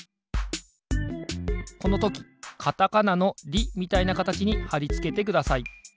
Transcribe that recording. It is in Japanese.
このときかたかなの「リ」みたいなかたちにはりつけてください。